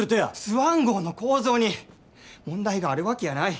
スワン号の構造に問題があるわけやない。